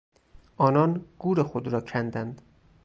آنان گور خود را کندند.